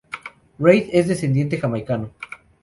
Reid es descendiente jamaicano.